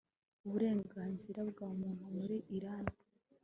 uburenganzira bwa muntu muri Irani